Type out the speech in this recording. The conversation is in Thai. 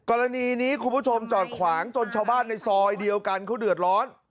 กรณีนี้คุณผู้ชมจอดขวางจนชาวบ้านในซอยเดียวกันเขาเดือดร้อน